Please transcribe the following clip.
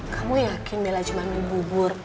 kamu yakin bella cuma mau bubur